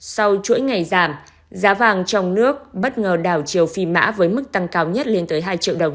sau chuỗi ngày giảm giá vàng trong nước bất ngờ đảo chiều phi mã với mức tăng cao nhất lên tới hai triệu đồng